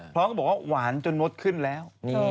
พร้อมกับบอกว่าหวานจนมดขึ้นแล้ว